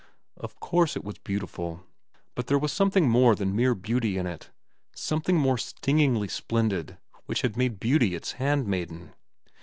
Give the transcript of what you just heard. Of course it was beautiful; but there was something more than mere beauty in it, something more stingingly splendid which had made beauty its handmaiden.